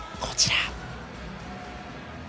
こちら。